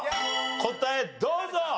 答えどうぞ。